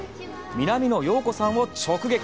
南野陽子さんを直撃！